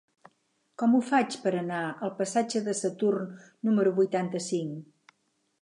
Com ho faig per anar al passatge de Saturn número vuitanta-cinc?